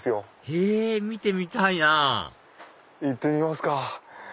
へぇ見てみたいなぁ行ってみますか。